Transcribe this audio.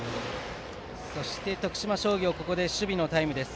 そして徳島商業ここで守備のタイムです。